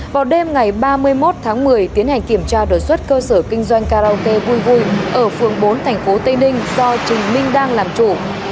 vào đêm ngày ba mươi một tháng một mươi tiến hành kiểm tra đột xuất cơ sở kinh doanh karaoke vui ở phương bốn tp tây ninh do trình minh đang làm chủ